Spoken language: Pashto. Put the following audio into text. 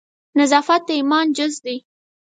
نظافت د ایمان جزء دی.